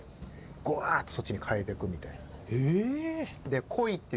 ぐわっとそっちに変えていくみたいな。